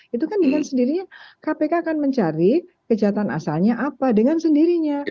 itu kan dengan sendirinya kpk akan mencari kejahatan asalnya apa dengan sendirinya